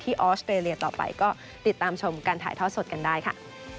ออสเตรเลียต่อไปก็ติดตามชมการถ่ายทอดสดกันได้ค่ะ